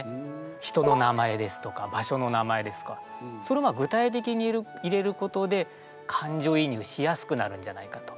人の名前ですとか場所の名前ですとかそれは具体的に入れることで感情移入しやすくなるんじゃないかと。